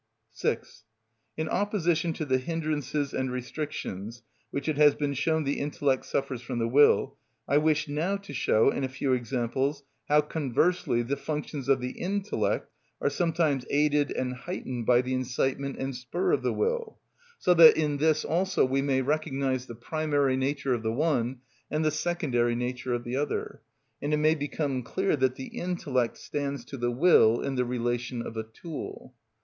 6. In opposition to the hindrances and restrictions which it has been shown the intellect suffers from the will, I wish now to show, in a few examples, how, conversely, the functions of the intellect are sometimes aided and heightened by the incitement and spur of the will; so that in this also we may recognise the primary nature of the one and the secondary nature of the other, and it may become clear that the intellect stands to the will in the relation of a tool.